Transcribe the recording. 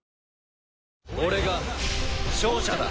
俺が勝者だ！